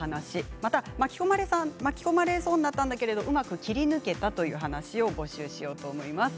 また巻き込まれそうになったんだけれど、うまく切り抜けたという話を募集しようと思います。